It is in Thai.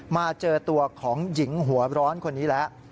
มาเจอตัวของหญิงหัวร้อนคนนี้แล้ว